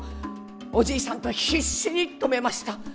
おじいさんと必死に止めました。